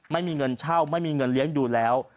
ไม่มีเงินเช่าไม่มีเงินเลี้ยงดูแล้ว